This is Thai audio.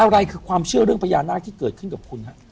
อะไรคือความเชื่อเรื่องพญานาคที่เกิดขึ้นกับคุณฮะ